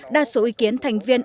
đa số ý kiến thành viên